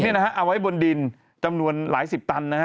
เออนี่นะฮะเอาไว้บนดินจำนวนหลายสิบตันนะฮะ